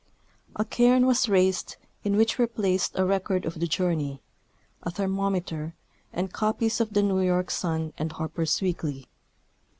A cairn was raised, in which were placed a record of the journey, a ther mometer, and copies of the New York S^in and Harper''s Weekly.